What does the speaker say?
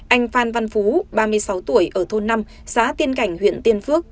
anh phan văn phú ba mươi sáu tuổi ở thôn năm xã tiên cảnh huyện tiên phước